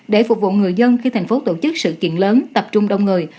để phục vụ người dân khi thành phố tổ chức sự kiện lớn tập trung đông người